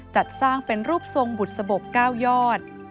จัดสร้างเป็นรูปทรงบุษบก๙ยอด